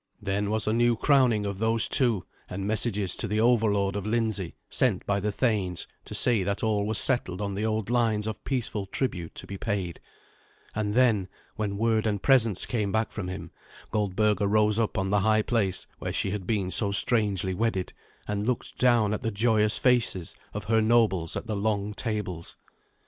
Then was a new crowning of those two, and messages to the overlord of Lindsey, sent by the thanes, to say that all was settled on the old lines of peaceful tribute to be paid; and then, when word and presents came back from him, Goldberga rose up on the high place where she had been so strangely wedded, and looked down at the joyous faces of her nobles at the long tables.